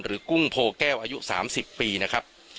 กุ้งโพแก้วอายุ๓๐ปีนะครับ